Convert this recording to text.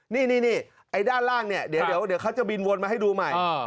นี่ไอ้ด้านล่างเนี่ยเดี๋ยวเขาจะบินวนมาให้ดูใหม่